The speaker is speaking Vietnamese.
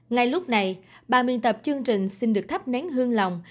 ngay lúc này bà miên tập chương trình xin được thắp nén hương lòng